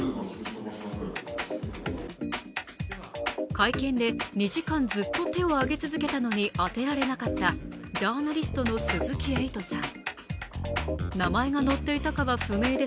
会見で２時間ずっと手を挙げ続けたのに当てられなかったジャーナリストの鈴木エイトさん